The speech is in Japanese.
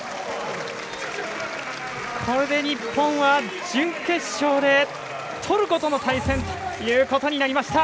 これで日本は準決勝でトルコとの対戦ということになりました。